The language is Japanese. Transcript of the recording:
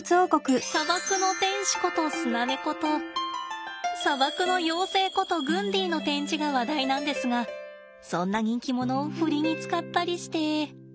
砂漠の天使ことスナネコと砂漠の妖精ことグンディの展示が話題なんですがそんな人気者をふりに使ったりして。